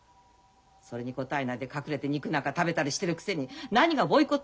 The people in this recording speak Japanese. それに応えないで隠れて肉なんか食べたりしてるくせに何がボイコット。